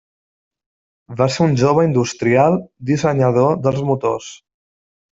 Va ser un jove industrial dissenyador dels motors.